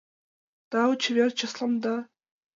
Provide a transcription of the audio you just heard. Тау чевер чесланда.